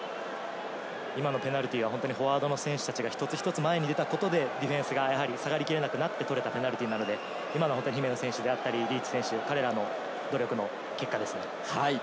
今のペナルティーはフォワードの選手たちが一つ一つ前に出たことでディフェンスが下がりきれなくなって取れたペナルティーなので、姫野選手、リーチ選手、彼らの努力の結果ですね。